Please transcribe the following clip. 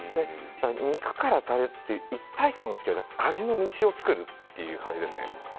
肉からタレ、一体感をつける味の道を作るという感じです。